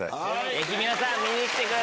ぜひ皆さん見に来てください！